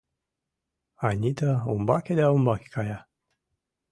Анита умбаке да умбаке кая.